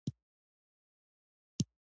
د ننګرهار په کوز کونړ کې د ګچ نښې شته.